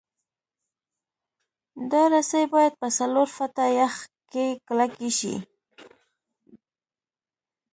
دا رسۍ باید په څلور فټه یخ کې کلکې شي